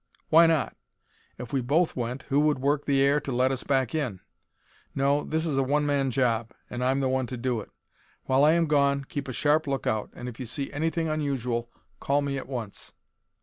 "Why not?" "If we both went, who would work the air to let us back in? No, this is a one man job and I'm the one to do it. While I am gone, keep a sharp lookout, and if you see anything unusual call me at once."